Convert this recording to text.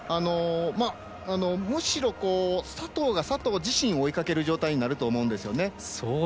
むしろ、佐藤が佐藤自身を追いかける状態になると思うんですよね。